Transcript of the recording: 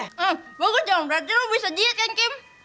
eh bagus jangan berhati hati lo bisa diet kan kim